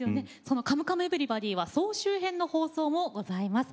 「カムカムエヴリバディ」は総集編の放送もございます。